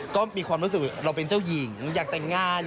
ก็มีความรู้สึกว่าเราเป็นเจ้าหญิงอยากแต่งงาน